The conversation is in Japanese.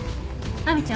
亜美ちゃん